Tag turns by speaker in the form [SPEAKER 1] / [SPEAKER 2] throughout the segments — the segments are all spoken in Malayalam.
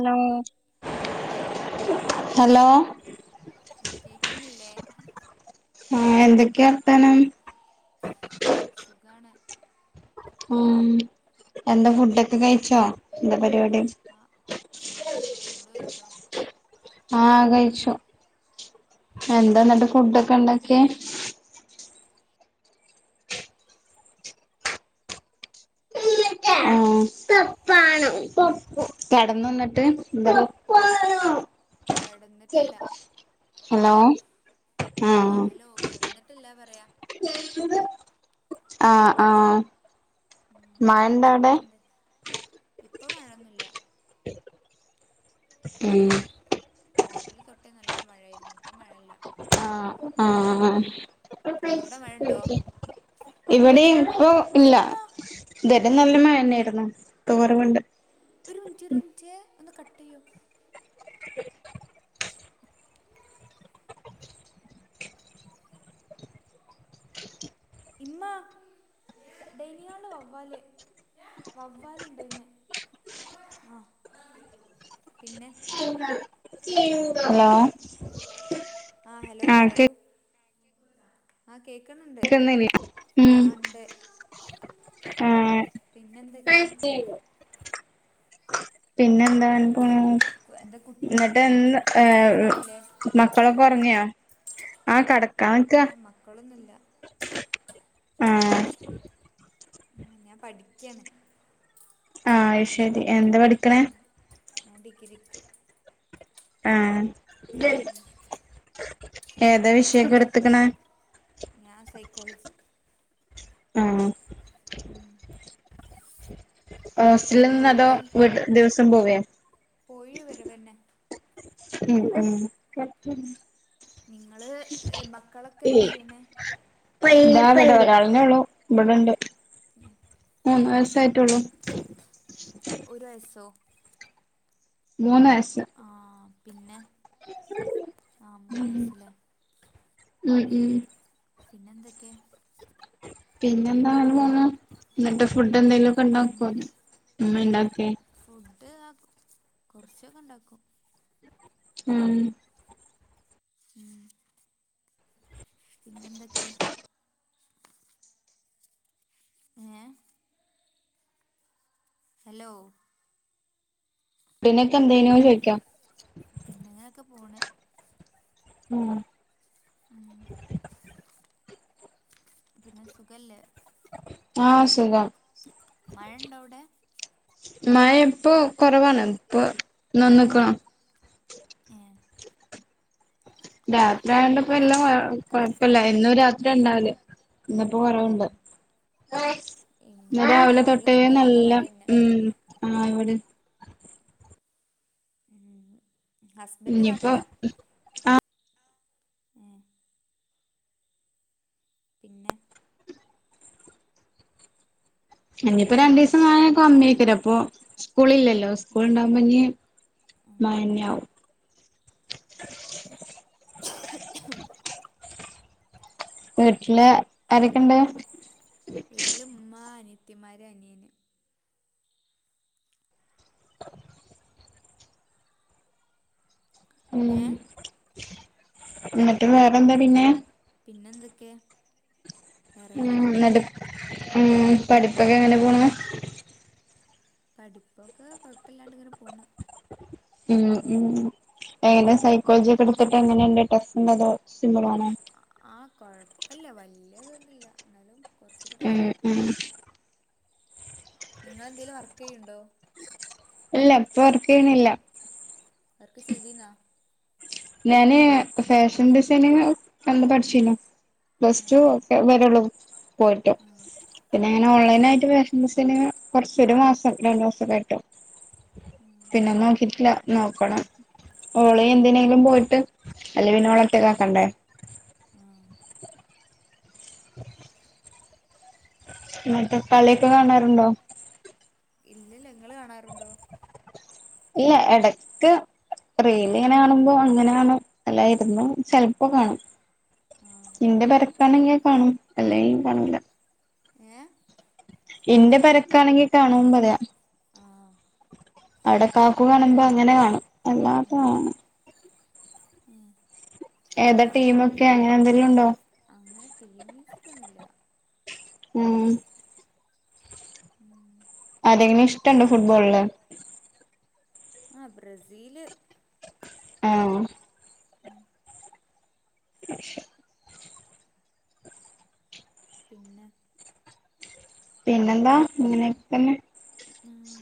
[SPEAKER 1] ഹലോ
[SPEAKER 2] ഹലോ
[SPEAKER 1] ഹലോ
[SPEAKER 2] കേക്ക്ന്നില്ലേ
[SPEAKER 1] ആഹ് എന്തൊക്കെയാ വർത്താനം
[SPEAKER 2] സുഖാണ്
[SPEAKER 1] ഉം എന്താ ഫുഡൊക്കെ കഴിച്ചോ എന്താ പരിപാടി
[SPEAKER 2] ആഹ് ഫുഡൊക്കെ കഴിച്ചു നിങ്ങള് കഴിച്ചോ
[SPEAKER 1] ആഹ് കഴിച്ചു
[SPEAKER 2] ആ
[SPEAKER 1] എന്താ ന്നിട്ട് ഫുഡോക്കെ ഇണ്ടാക്കിയെ ആഹ് കെടന്നോ അന്നിട്ട്
[SPEAKER 2] കിടന്നിട്ടില്ല
[SPEAKER 1] ഹലോ
[SPEAKER 2] ആഹ് ഹലോ കെടന്നിട്ടില്ല പറയാ
[SPEAKER 1] ആഹ് ആഹ് മഴണ്ടാടെ
[SPEAKER 2] ഇപ്പ മഴന്നുല്ല
[SPEAKER 1] ഉം
[SPEAKER 2] രാവിലെ തൊട്ടേ നല്ല മഴയാരുന്നു ഇപ്പം മഴല്ല
[SPEAKER 1] ആഹ് ആഹ്
[SPEAKER 2] അവിടെ മഴണ്ടോ
[SPEAKER 1] ഇവിടെ ഇപ്പോ ഇല്ല
[SPEAKER 2] ഇമ്മ
[SPEAKER 1] ഇബടേം നല്ല മഴന്നെയാരുന്നു തോർവോണ്ട്
[SPEAKER 2] ഒരു മിൻറ്റ് ഒരു മിൻറ്റെ ഒന്ന് കട്ടെയ്യൊ ഇമ്മ ഡൈനീഹാള്ല് വവ്വാല്ല് വവ്വാല് ഇണ്ട്ന്ന് ആഹ് പിന്നെ
[SPEAKER 1] ഹലോ
[SPEAKER 2] ആ ഹലോ
[SPEAKER 1] ആഹ്
[SPEAKER 2] പറയൂ ആ കേക്ക്ണ് ഇണ്ട്
[SPEAKER 1] കേക്കുന്നില്ലേ ഉം
[SPEAKER 2] ആഹ് ഇണ്ട്
[SPEAKER 1] ആഹ്
[SPEAKER 2] പിന്നെ എന്തെക്കെ
[SPEAKER 1] പിന്നെ എന്താണ് പണി
[SPEAKER 2] എന്താ കു
[SPEAKER 1] ഇന്നട്ട് എന്ന്
[SPEAKER 2] ഉറങ്ങാനായില്ലേ
[SPEAKER 1] മക്കളൊക്കെ ഒറങ്ങ്യൊ ആ കടക്കാൻറ്റാ
[SPEAKER 2] ഏ മക്കളൊന്നുമില്ല
[SPEAKER 1] ആഹ്
[SPEAKER 2] ഉം ഞാൻ പഠിക്കാണ്
[SPEAKER 1] ആഹ് അയ്ശെരി എന്താ പഠിക്ക്ണേ
[SPEAKER 2] ഞാൻ ഡിഗ്രിക്ക്
[SPEAKER 1] ആഹ് ഏതാ വിശയൊക്കെ ഇട്ത്തിക്ക്ണേ
[SPEAKER 2] ഞാൻ സൈക്കോളജി
[SPEAKER 1] ആഹ്
[SPEAKER 2] ഉം
[SPEAKER 1] ഹോസ്റ്റലിന്ന് അതോ.
[SPEAKER 2] നിങ്ങളെ
[SPEAKER 1] വിട് ദിവസം പോവേ
[SPEAKER 2] പോയി വരവന്നെ
[SPEAKER 1] ഉം ഉം
[SPEAKER 2] നിങ്ങള് മക്കളൊക്കെ എന്ത് ചെയ്യ്ണെ
[SPEAKER 1] ഇതാവ്ടെ ഒരാളെന്നെ ഒള്ളൂ ഇ ബെടെ ഇണ്ട്
[SPEAKER 2] ഉം
[SPEAKER 1] മൂന്ന് വയസ്സായിറ്റൊള്ളു
[SPEAKER 2] ഒരു വയസ്സോ
[SPEAKER 1] മൂന്ന് വയസ്സ്
[SPEAKER 2] ആഹ് പിന്നെ ആ മൂന്ന്
[SPEAKER 1] ഉം
[SPEAKER 2] വയസ്സല്ലേ
[SPEAKER 1] ഉം
[SPEAKER 2] പിന്നെ എന്തൊക്കെ
[SPEAKER 1] പിന്നെ എന്താന്ന് ആവ. ഇന്നത്തെ ഫുഡ് എന്തെലും ഒക്കെ ഇണ്ടാക്കോ ഉമ്മയിണ്ടാക്കെ
[SPEAKER 2] ഫുഡ്താക്കും കുറച്ചൊക്കെ ഉണ്ടാക്കും
[SPEAKER 1] ഉം
[SPEAKER 2] ഉം പിന്നെ എന്തൊക്കെ ഏഹ് ഹലോ
[SPEAKER 1] പിന്നക്കെ എന്തേനു ചോയിക്കാ
[SPEAKER 2] പിന്നെങ്ങനൊക്കെ പോണ്
[SPEAKER 1] ഉം
[SPEAKER 2] ഉം പിന്നെ സുഖല്ലേ
[SPEAKER 1] ആ സുഖാ
[SPEAKER 2] മഴ ഉണ്ടോ അവിടെ
[SPEAKER 1] മഴ ഇപ്പൊ കൊറവാണ്. ഇപ്പൊ നന്ന്ക്കണം
[SPEAKER 2] ഏ
[SPEAKER 1] രാത്രി ആയണ്ടപ്പോ എല്ലാം കൊഴപ്പല്ല. എന്നും രാത്രി അത ഇണ്ടാവല് ഇന്ന്പ്പോ കൊറവ്ണ്ട്
[SPEAKER 2] ആഹ്
[SPEAKER 1] ഇന്ന് രാവിലെ തൊട്ടേ നല്ല ഉം ആഹ് ഇവിടിം
[SPEAKER 2] ഉം
[SPEAKER 1] ഇഞ്
[SPEAKER 2] ഹസ്ബൻഡ്
[SPEAKER 1] ഇപ്പോ
[SPEAKER 2] നാട്ടിലാ ഏഹ് പിന്നെ
[SPEAKER 1] ഇനിയിപ്പോ രണ്ടു ദിവസം മഴേക്ക കമ്മിയ്ക്കൂല അപ്പൊ സ്കൂളില്ലല്ലോ സ്കൂൾ ഉണ്ടാവുമ്പോ ഇഞ്
[SPEAKER 2] ഉം
[SPEAKER 1] അയെന്നെ ആകും വീട്ടില് ആരൊക്കെണ്ട്?
[SPEAKER 2] വീട്ടില് ഇമ്മ അനിയത്തിയമാര് അനിയന്
[SPEAKER 1] ഉം
[SPEAKER 2] ഏഹ്
[SPEAKER 1] ഇന്നട്ട് വേറെന്താ പിന്നെ
[SPEAKER 2] പിന്നെന്തൊക്കെ
[SPEAKER 1] ഉം ഇന്നട്ട് ഉം പഠിപ്പൊക്കെങ്ങനെ പോണ്
[SPEAKER 2] പഠിപ്പൊക്കെ കൊഴപ്പല്ലാണ്ട് ഇങ്ങനെ പോണ്
[SPEAKER 1] ഉം ഉം എങ്ങനെ സൈക്കോളജിയൊക്കെ എട്ത്ത്ട്ടെ എങ്ങനെണ്ട് ടഫ് ഉണ്ടോ സിമ്പ്ളാണോ
[SPEAKER 2] ആ കൊഴപ്പം ഇല്ല വല്ല്യ ഇതൊന്നുല്ല ഇന്നാലും
[SPEAKER 1] ഉം ഉം
[SPEAKER 2] ഇങ്ങളെന്തേലും വർക്കെയ്യ്ണ്ടോ?
[SPEAKER 1] ഇല്ല ഇപ്പൊ വർക്ക് ചെയ്യ്ണില്ല
[SPEAKER 2] വർക്ക് ചെയ്തീന്നാ?
[SPEAKER 1] ഞാന് ഫാഷൻ ഡിസൈനിങ്ങിന് അന്ന് പഠ്ച്ചീനു പ്ലസ് ടു ഒക്കെ വരെള്ളൂ പോയിട്ട് പിന്നെങ്ങനെ ഓൺലൈനായിട്ട് ഫാഷൻ ഡിസൈനിങ്ങ് കുറച്ചൊരു മാസം രണ്ട് മാസെക്കായിട്ട്
[SPEAKER 2] ഉം
[SPEAKER 1] പിന്നെ നോക്കീട്ടില്ല നോക്കണം ഓള് എന്തിനാ ലും പോയിട്ട് അല്ലെ പിന്നെ ഒളെ ഒറ്റക്കാക്കണ്ടേ
[SPEAKER 2] ആഹ്
[SPEAKER 1] ഇന്നട്ട്
[SPEAKER 2] കളിയൊക്കെ കാണാറുണ്ടോ ഇല്ല്യല്ല ഇങ്ങള് കാണാറുണ്ടോ?
[SPEAKER 1] ഇല്ല എടക്ക് റീല് ഇങ്ങനെ
[SPEAKER 2] ആഹ്
[SPEAKER 1] കാണുമ്പോ അങ്ങനെ കാണും അല്ലാതിര്ന്ന് ചെലപ്പൊ കാണും
[SPEAKER 2] ആഹ്
[SPEAKER 1] ഇന്റെ പെരക്കാണെങ്കി കാണും അല്ലെങ്കി കാണൂല
[SPEAKER 2] ഏഹ്
[SPEAKER 1] ഇന്റെ പെരക്കാണെങ്കി കാണും പറയാ
[SPEAKER 2] ആഹ്
[SPEAKER 1] അവ്ടെ കാക്കു കാണുമ്പോ അങ്ങനെ കാണും
[SPEAKER 2] ആഹ്
[SPEAKER 1] അല്ലാത്താണ്
[SPEAKER 2] ഉം
[SPEAKER 1] ഏതാ ടീമൊക്കെ അങ്ങനെന്തെങ്കിലുണ്ടോ?
[SPEAKER 2] അങ്ങനെ ടീമ്ച്ച്ട്ടൊന്നുല്ല
[SPEAKER 1] ഉം
[SPEAKER 2] ഉം
[SPEAKER 1] ആരെങ്കിലും ഇഷ്ടണ്ടൊ ഫുട്ബോളില്
[SPEAKER 2] ആഹ് ബ്രസീല്
[SPEAKER 1] ആഹ്
[SPEAKER 2] ഉം പിന്നെ
[SPEAKER 1] പിന്നെന്താ ഇങ്ങനൊക്കെതന്നെ
[SPEAKER 2] ആഹ്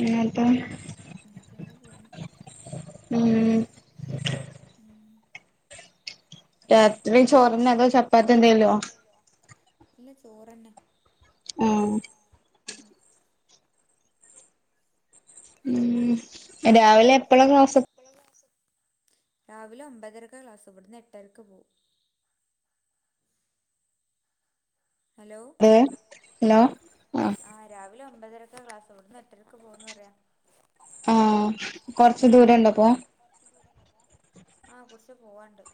[SPEAKER 1] ഇങ്ങൾ തോ?
[SPEAKER 2] അങ്ങൻത്തേനെ പോണ്
[SPEAKER 1] ഉം
[SPEAKER 2] ഉം
[SPEAKER 1] രാത്രി
[SPEAKER 2] രാത്രി
[SPEAKER 1] ചോറന്നെ
[SPEAKER 2] ചോറെന്നേ അതോ
[SPEAKER 1] ചപ്പാത്തി എന്തേലോ
[SPEAKER 2] ചപ്പാത്തിയെന്തേലോ ഇല്ല ചോറെന്നെ ആഹ് ഉം
[SPEAKER 1] ഉം അ രാവിലെ എപ്പളാ ക്ലാസ്
[SPEAKER 2] രാവിലെ എപ്പളാ ക്ലാസ് രാവിലെ ഒമ്പതരക്കാ ക്ലാസ് ഇവിടുന്ന് എട്ടരക്ക് പോവും ഹലോ
[SPEAKER 1] അത് ഹലോ
[SPEAKER 2] ആഹ് രാവിലെ ഒമ്പതരക്കാ ക്ലാസ് ഇവിടുന്ന് എട്ടരക്ക് പോകുംന്ന് പറയാ
[SPEAKER 1] ആഹ് കൊറച്ച് ദൂരം ണ്ടോ പ്പോ
[SPEAKER 2] കൊറച്ച് ദൂരണ്ട പോ ആ കൊറച്ച് പോവാണ്ട്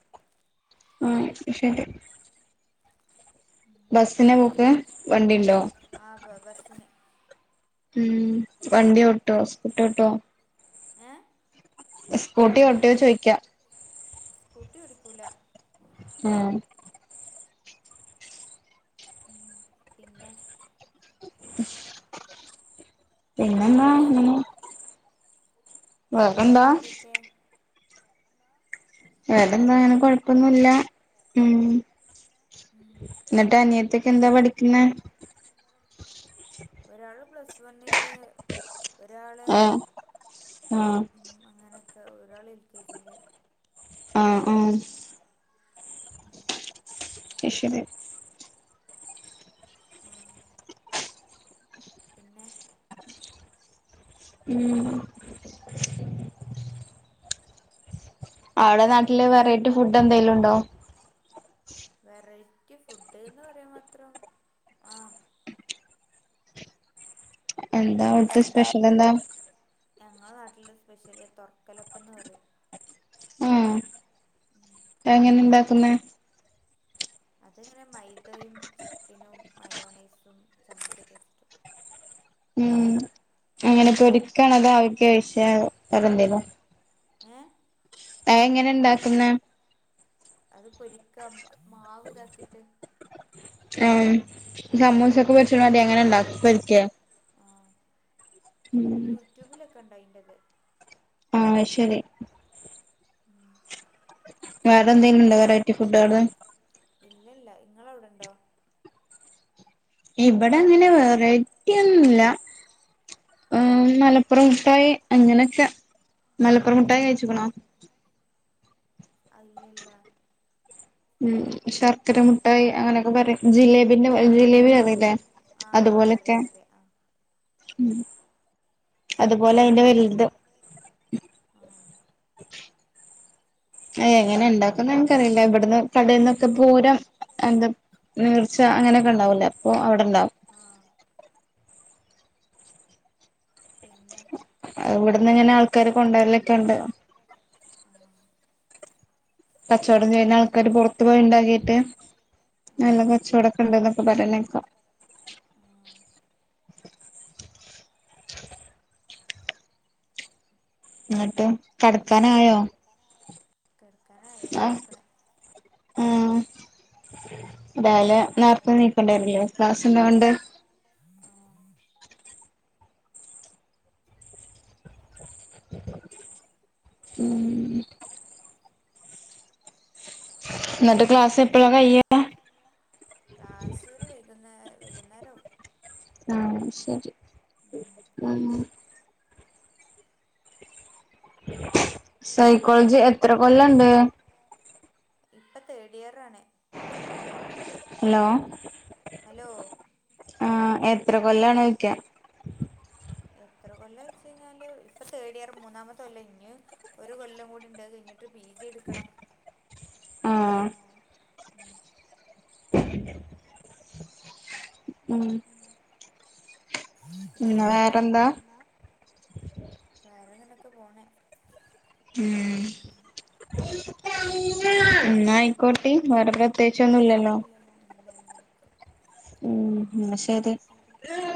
[SPEAKER 1] ഉം ശരി ബസ്സിനാ പോക്ക് വണ്ടിണ്ടോ?
[SPEAKER 2] ആഹ് ബ ബസ് ന്
[SPEAKER 1] ഉം വണ്ടി ഓട്ടോ സ്കൂട്ടി ഓട്ടോ
[SPEAKER 2] ഏ
[SPEAKER 1] സ്കൂട്ടി ഓട്ടുവോ ചോയിക്കാ
[SPEAKER 2] സ്കൂട്ടി ഓടിക്കൂല
[SPEAKER 1] ഏ
[SPEAKER 2] ഉം പിന്നെ
[SPEAKER 1] ഉം പിന്നെന്നാ
[SPEAKER 2] ഏ
[SPEAKER 1] അങ്ങനെ വേറെന്താ
[SPEAKER 2] പിന്നെന്തക്കെ
[SPEAKER 1] വേറെന്താ അങ്ങനെ
[SPEAKER 2] വേറെങ്ങനൊക്കെ പോണ്
[SPEAKER 1] കൊഴപ്പൊന്നുല്ല ഉം
[SPEAKER 2] ഉം
[SPEAKER 1] ന്നിട്ട് അനിയത്തിയൊക്കെ എന്താ പഠിക്കുന്നെ
[SPEAKER 2] ഒരാള് പ്ലസ് വണ്ണില് ഒരാള്
[SPEAKER 1] ആഹ് ആഹ്
[SPEAKER 2] ഉം അങ്ങനെയൊക്കെ ഒരാള് എൽ കെ ജില്
[SPEAKER 1] ആഹ് ആഹ്
[SPEAKER 2] ഉം
[SPEAKER 1] അത് ശരി
[SPEAKER 2] ആഹ് പിന്നെ
[SPEAKER 1] ഉം അവിടെ നാട്ടില്
[SPEAKER 2] പിന്നെന്തൊക്കെ
[SPEAKER 1] വെറൈറ്റി ഫുഡ് എന്തെലും ണ്ടോ
[SPEAKER 2] വെറൈറ്റി ഫുഡ് ന്ന് പറയാൻ മാത്രം ആഹ്
[SPEAKER 1] എന്താ അവിടുത്തെ സ്പെഷ്യൽ എന്താ
[SPEAKER 2] ഞങ്ങള നാട്ടിലെ സ്പെഷ്യല് തൊറക്കലപ്പം ന്ന് പറയും ഉം
[SPEAKER 1] അത് എങ്ങനെ ണ്ടാക്കുന്നെ
[SPEAKER 2] അതെങ്ങനെ മൈദയും ചിക്കനും മയോണൈസും ചമന്തിയൊക്കെ [unintelligible]
[SPEAKER 1] ഉം എങ്ങനെ പൊരിക്കാണോ അതോ ആവിക്ക് വേവിച്ച വേറെന്തേലോ
[SPEAKER 2] ഏഹ്
[SPEAKER 1] അയെങ്ങനെ ണ്ടാക്കുന്നെ
[SPEAKER 2] അത് പൊരിക്ക മ്മ മാവ് ഇതാക്കിട്ട്
[SPEAKER 1] ആ സമൂസൊക്കെ പൊരിച്ച്ണ മാതിരി അങ്ങനെണ്ടാക്ക പൊരിക്കെ
[SPEAKER 2] ആ
[SPEAKER 1] ഉം
[SPEAKER 2] യൂട്യൂബിലൊക്കെ ണ്ട് അയിൻ്റെത്
[SPEAKER 1] ആ അശെരി
[SPEAKER 2] ഉം
[SPEAKER 1] വേറെ എന്തെലും ണ്ടോ വെറൈറ്റി ഫുഡാള്
[SPEAKER 2] ഇല്ലല്ല ഇങ്ങളവിടെണ്ടോ
[SPEAKER 1] ഇബടെ അങ്ങനെ വെറൈറ്റി ഒന്നുല്ല ഉം മലപ്പുറം മുട്ടായി അങ്ങനെയൊക്കെ മലപ്പുറം മുട്ടായി കഴിച്ചിക്ണോ
[SPEAKER 2] അല്ലില്ല
[SPEAKER 1] ഉം ശർക്കര മുട്ടായി അങ്ങനെയൊക്കെ പറയും ജിലേബിന്റെ ജിലേബി പറയില്ലേ
[SPEAKER 2] ആഹ്
[SPEAKER 1] അതുപോലെക്കെ
[SPEAKER 2] അറിയാ അറിയാ ആഹ്
[SPEAKER 1] ഉം അതുപോലെ അതിന്റെ വെൽത്
[SPEAKER 2] ആഹ്
[SPEAKER 1] അത് എങ്ങനെ ണ്ടാക്കന്ന് ഇൻക്കറിയില്ല ഇബ്ട്ന്ന് കടയിന്നൊക്കെ പൂരം എന്താ നീർച്ച അങ്ങനെയൊക്കെ ണ്ടാവൂല്ലേ അപ്പോ അവടെ ണ്ടാവും
[SPEAKER 2] ആഹ് പിന്നെ
[SPEAKER 1] ഇവിടന്ന് ഇങ്ങനെ ആൾക്കാര് കൊണ്ടരലൊക്കെണ്ട്
[SPEAKER 2] ന്തെക്കണ്ട്
[SPEAKER 1] കച്ചോടം ചെയ്യുന്ന ആൾക്കാര്
[SPEAKER 2] പണിയല്ലേ
[SPEAKER 1] പോറത്ത് പോയി
[SPEAKER 2] ആൾക്കാര് പുറത്ത്
[SPEAKER 1] ഒണ്ടാക്കിട്ട്
[SPEAKER 2] പോയി ഉണ്ടാക്കിയിട്ട്
[SPEAKER 1] നല്ല
[SPEAKER 2] ആഹ്
[SPEAKER 1] കച്ചോടം കണ്ടോന്നൊക്കെ പറയണകേക്കാ
[SPEAKER 2] ആഹ്
[SPEAKER 1] ന്നിട്ട് കെടക്കാനായോ
[SPEAKER 2] ക്കാനായേണ്ടിരിക്കണേ
[SPEAKER 1] മ് രാവിലെ നേരത്തെ ണീക്കണ്ടതല്ലേ ക്ലാസ്സിള്ളകൊണ്ട്
[SPEAKER 2] ആ പിന്നെ
[SPEAKER 1] ഉം ന്നിട്ട് ക്ലാസ് എപ്പഴാക്കഴിയ്യ
[SPEAKER 2] ക്ലാസ്സ് ഒരു വൈകുന്നേ വൈകുന്നേരാവും
[SPEAKER 1] ആ ശരി
[SPEAKER 2] ഉം
[SPEAKER 1] മ് സൈക്കോളജി എത്ര കൊല്ലണ്ട്
[SPEAKER 2] ഇപ്പ തേഡ് ഇയറാണ്
[SPEAKER 1] ഹലോ
[SPEAKER 2] ഹലോ
[SPEAKER 1] ആ എത്ര കൊല്ലണ് ക്ക്യാ
[SPEAKER 2] എത്ര കൊല്ല ചോയിച്ച് കഴിഞ്ഞാല് ഇപ്പൊ തേഡ് ഇയർ മൂന്നാമത്തെ കൊല്ല ഇഞ്ഞ് ഒരു കൊല്ലം കൂടിണ്ട് അത് കഴിഞ്ഞ് ട്ട് പി ജി എടുക്കണം
[SPEAKER 1] ആഹ്
[SPEAKER 2] ആ മ്
[SPEAKER 1] ഉം
[SPEAKER 2] വേറെന്താ വേറെങ്ങനെയൊക്കെ പോണേ
[SPEAKER 1] ഉം
[SPEAKER 2] മ് എന്ന ആയിക്കോട്ടെ വേറെ പ്രത്യേകിച്ചൊന്നുല്ലല്ലോ ഇല്ലല്ല വക്ക് മ് എന്നാ ശരി ആ